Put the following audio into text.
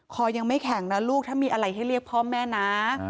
คอยังไม่แข็งนะลูกถ้ามีอะไรให้เรียกพ่อแม่นะ